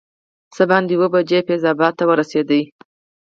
څه باندې اووه بجې فیض اباد ته ورسېدو.